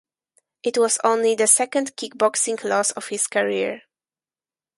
It was only the second kickboxing loss of his career.